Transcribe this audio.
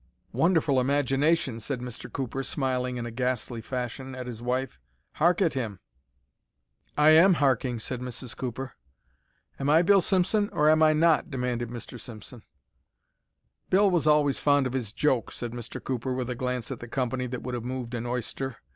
"Wonderful imagination," said Mr. Cooper, smiling in a ghastly fashion at his wife. "Hark at him!" "I am harking," said Mrs. Cooper. "Am I Bill Simpson or am I not?" demanded Mr. Simpson. "Bill was always fond of his joke," said Mr. Cooper, with a glance at the company that would have moved an oyster.